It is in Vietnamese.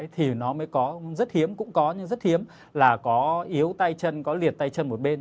thì nó mới có rất hiếm cũng có nhưng rất hiếm là có yếu tay chân có liệt tay chân một bên